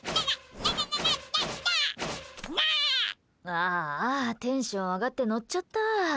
あーあー、テンション上がって乗っちゃった。